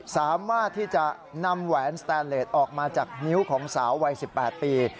สามารถที่จะนำแหวนสแตนเลสออกมาจากนิ้วของสาววัย๑๘ปี